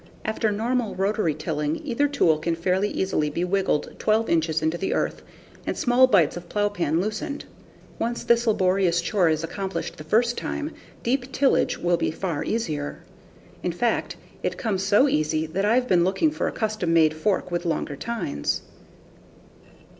After normal rotary tilling, either tool can fairly easily be wiggled 12 inches into the earth and small bites of plowpan loosened. Once this laborious chore is accomplished the first time, deep tillage will be far easier. In fact, it becomes so easy that I've been looking for a custom made fork with longer tines.